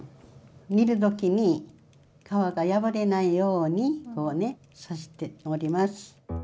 煮る時に皮が破れないようにこうね刺しております。